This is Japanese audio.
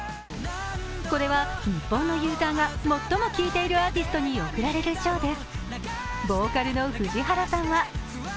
これは、日本のユーザーが最も聴いているアーティストに贈られる賞です。